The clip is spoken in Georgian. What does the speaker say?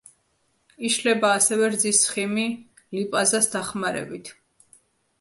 იშლება ასევე რძის ცხიმი ლიპაზას დახმარებით.